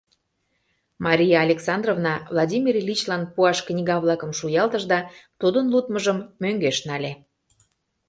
Мария Александровна Владимир Ильичлан пуаш книга-влакым шуялтыш да тудын лудмыжым мӧҥгеш нале.